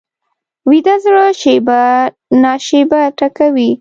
ویده زړه شېبه نا شېبه ټکوي